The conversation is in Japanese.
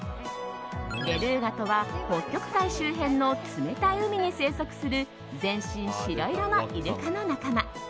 ベルーガとは、北極海周辺の冷たい海に生息する全身白色のイルカの仲間。